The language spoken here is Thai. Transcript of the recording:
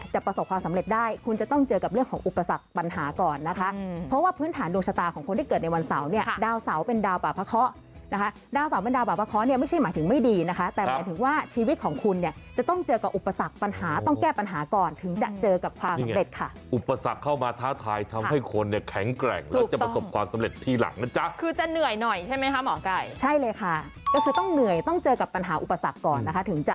จะเจอกับเรื่องของอุปสรรคปัญหาก่อนนะคะเพราะว่าพื้นฐานดูชะตาของคนที่เกิดในวันเสาร์เนี่ยดาวเสาร์เป็นดาวปราภาเคาะนะคะดาวเสาร์เป็นดาวปราภาเคาะเนี่ยไม่ใช่หมายถึงไม่ดีนะคะแต่หมายถึงว่าชีวิตของคุณเนี่ยจะต้องเจอกับอุปสรรคปัญหาต้องแก้ปัญหาก่อนถึงจะเจอกับความสำเร็จค่ะอุปสรรคเข้ามาท้าท